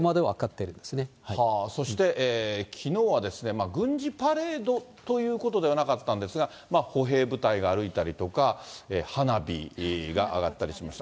そしてきのうは、軍事パレードということではなかったんですが、歩兵部隊が歩いたりとか、花火が上がったりしました。